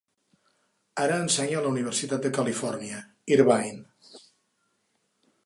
Ara ensenya a la Universitat de Califòrnia, Irvine.